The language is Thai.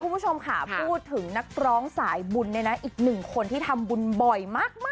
คุณผู้ชมค่ะพูดถึงนักร้องสายบุญเนี่ยนะอีกหนึ่งคนที่ทำบุญบ่อยมาก